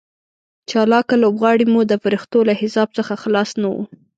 چالاکه لوبغاړي مو د فرښتو له حساب څخه خلاص نه وو.